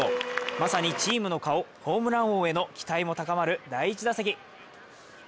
まさにチームの顔、ホームラン王への期待も高まる第１打席。